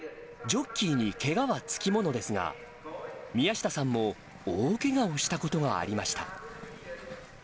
ジョッキーにけがは付き物ですが、宮下さんも大けがをしたことがありました。